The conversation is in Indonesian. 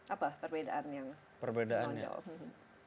apa perbedaan yang muncul